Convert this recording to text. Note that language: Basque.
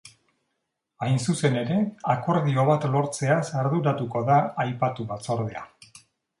Hain zuzen ere, akordio bat lortzeaz arduratuko da aipatu batzordea.